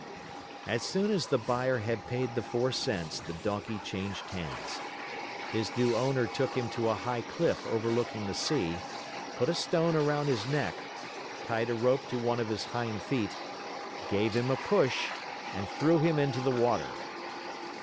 As soon as the buyer had paid the four cents, the Donkey changed hands. His new owner took him to a high cliff overlooking the sea, put a stone around his neck, tied a rope to one of his hind feet, gave him a push, and threw him into the water.